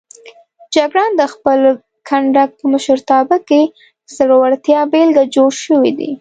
جګړن د خپل کنډک په مشرتابه کې د زړورتیا بېلګه جوړ شوی دی.